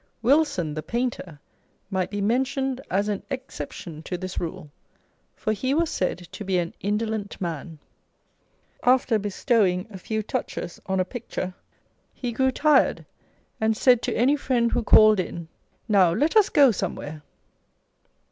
Wilson, the painter, might be mentioned as an ex ception to this rule, for he was said to be an indolent man. After bestowing a few touches on a picture, he grew tired, and said to any friend who called in, " Now, let us go somewhere